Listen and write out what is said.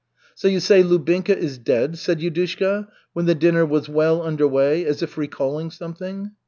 "So you say Lubinka is dead?" said Yudushka when the dinner was well under way, as if recalling something.